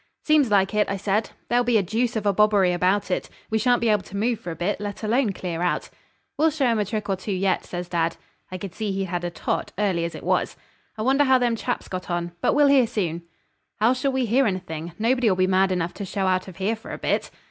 'Seems like it,' I said. 'There'll be a deuce of a bobbery about it. We shan't be able to move for a bit, let alone clear out.' 'We'll show 'em a trick or two yet,' says dad. I could see he'd had a tot, early as it was. 'I wonder how them chaps got on? But we'll hear soon.' 'How shall we hear anything? Nobody'll be mad enough to show out of here for a bit.'